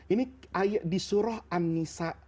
ini disuruh an nisa